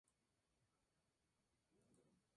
Bravo no participó de estos hechos.